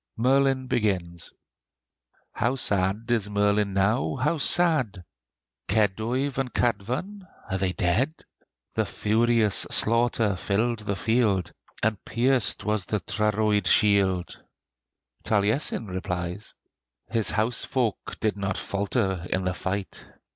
Merlin begins: "How sad is Merlin now! how sad! Keduyf and Kadvan are they dead? The furious slaughter filled the field, And pierced was the Tryrwyd shield!" Taliesin replies: "His house folk did not falter in the fight!"